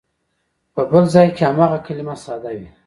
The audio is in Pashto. په بل ځای کې هماغه کلمه ساده وي.